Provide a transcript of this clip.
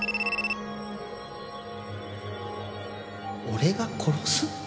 俺が殺す？